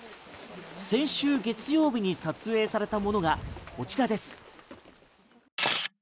先週月曜日に撮影されたものがこちらです。